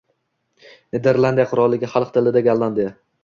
Niderlandiya qirolligi, xalq tilida – Gollandiya.